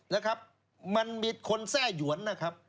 นะครับมันมีคนแทร่หยวนนะครับ